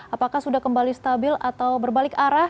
apakah sudah kembali stabil atau berbalik arah